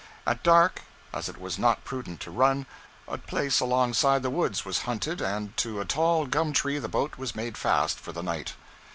At dark, as it was not prudent to run, a place alongside the woods was hunted and to a tall gum tree the boat was made fast for the night.